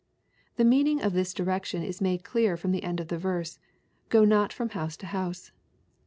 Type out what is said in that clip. ] The meaning of this direction is made clear from the end of the verse, "go not from house to house."